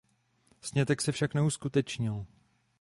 Sňatek se však neuskutečnil.